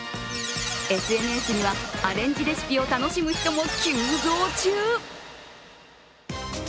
ＳＮＳにはアレンジレシピを楽しむ人も急増中！